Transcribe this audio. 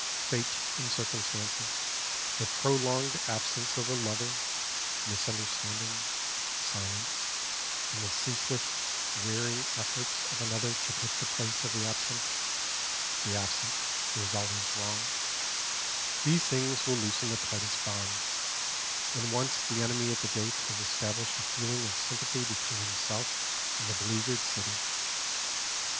Fate and circumstances, the prolonged absence of the lover, misunderstandings, silence, and the ceaseless, wearing efforts of another to take the place of the absent the absent, who is always wrong; these things will loosen the tightest bond, when once the enemy at the gate has established a feeling of sympathy between himself and the beleaguered city.